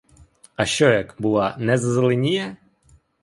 А що як, бува, не зазеленіє?